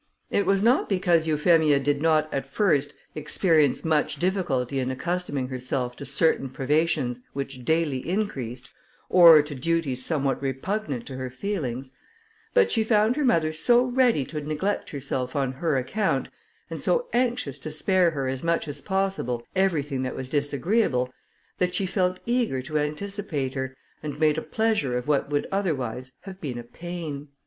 It was not because Euphemia did not, at first, experience much difficulty in accustoming herself to certain privations which daily increased, or to duties somewhat repugnant to her feelings; but she found her mother so ready to neglect herself on her account, and so anxious to spare her as much as possible everything that was disagreeable, that she felt eager to anticipate her, and made a pleasure of what would otherwise have been a pain.